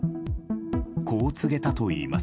こう告げたといいます。